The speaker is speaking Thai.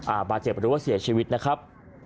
อ่าบาเจียบมาดูว่าเสียชีวิตนะครับ